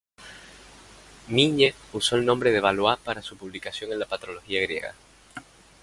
Migne usó el nombre de Valois para su publicación en la patrología griega.